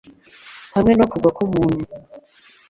Hamwe no Kugwa k'umuntu